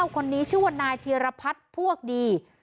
คนนี้ชื่อว่านายธีรพัฒน์พวกดี